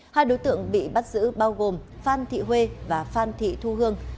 hai đối tượng bị bắt giữ bao gồm phan thị huê và phan thị thu hương